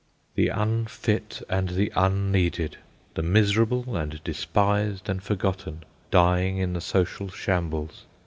The unfit and the unneeded! The miserable and despised and forgotten, dying in the social shambles.